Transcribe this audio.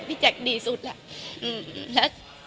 พี่แจกดีสุดแหละและ